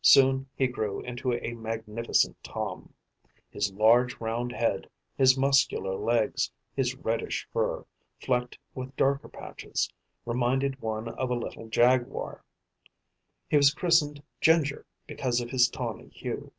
Soon he grew into a magnificent Tom. His large round head, his muscular legs, his reddish fur, flecked with darker patches, reminded one of a little jaguar. He was christened Ginger because of his tawny hue.